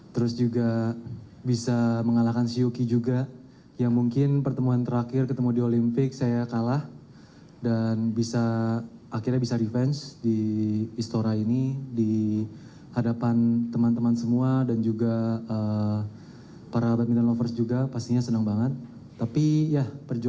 terus juga bisa mengalahkan shi yuki juga yang mungkin pertemuan terakhir ketemu di olimpik saya kalah dan akhirnya bisa revenge di stora ini di hadapan teman teman semua dan juga para pemintar